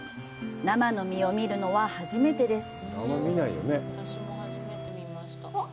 生の実を見るのは初めてです。